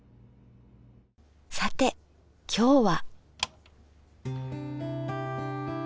さて今日は。